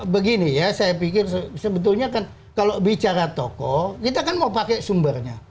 begini ya saya pikir sebetulnya kan kalau bicara tokoh kita kan mau pakai sumbernya